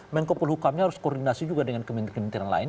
menkopol hukam harus koordinasi juga dengan kementerian lain